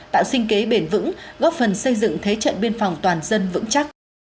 tạo sinh kế bền vững góp phần xây dựng thế trận biên phòng toàn dân vững chắc